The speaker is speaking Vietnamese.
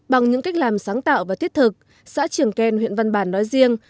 bằng những cách làm sáng tạo và thiết thực xã trường ken huyện văn bản nói riêng